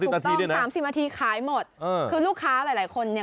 ๓๐นาทีด้วยนะถูกต้อง๓๐นาทีขายหมดคือลูกค้าหลายคนเนี่ย